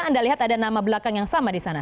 anda lihat ada nama belakang yang sama di sana